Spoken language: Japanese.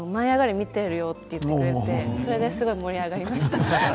見ているよと言ってくれてそれですごい盛り上がりました。